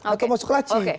atau masuk laci